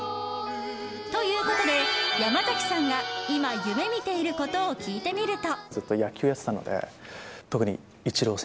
ということで、山崎さんが今夢見ていることを聞いてみると。